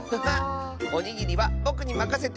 おにぎりはぼくにまかせて！